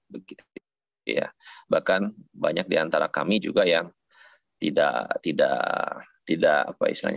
bahkan banyak di antara kami juga yang tidak ngeh